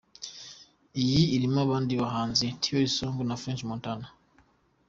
Iyi irimo abandi bahanzi Trey Songz na French Montana.